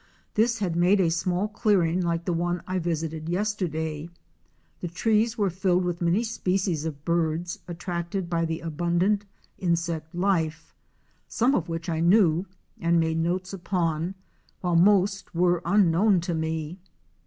This had made a small clearing like the one I visited yesterday. The trees were filled with many species of birds attracted by the abundant insect life, some of which I knew and made notes upon, : while most were unknown to me.